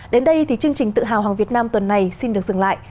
đến đây thì chương trình tự hào hàng việt nam tuần này xin được dừng lại